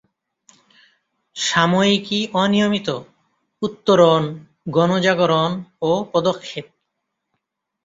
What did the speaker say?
সাময়িকী অনিয়মিত: উত্তরণ, গণজাগরণ ও পদক্ষেপ।